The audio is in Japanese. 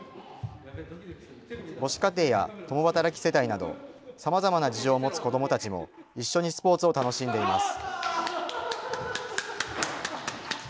母子家庭や共働き世帯など、さまざまな事情を持つ子どもたちも、一緒にスポーツを楽しんでいます。